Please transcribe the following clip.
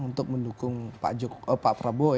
untuk mendukung pak prabowo